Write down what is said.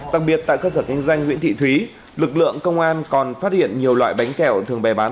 đặc biệt tại cơ sở kinh doanh nguyễn thị thúy lực lượng công an còn phát hiện nhiều loại bánh kẹo thường bè bán